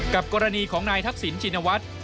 กรณีของนายทักษิณชินวัฒน์